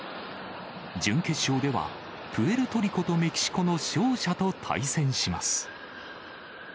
準決勝では、プエルトリコとメキシコの勝者と対戦します。